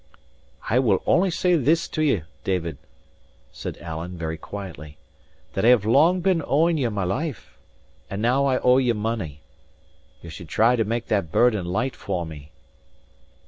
"I will only say this to ye, David," said Alan, very quietly, "that I have long been owing ye my life, and now I owe ye money. Ye should try to make that burden light for me."